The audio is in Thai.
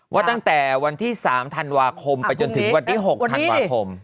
ว่าตั้งแต่วันที่๓ธันวาคมไปจนถึงวันที่๖ธันวาคม